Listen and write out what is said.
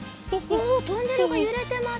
おおトンネルがゆれてます。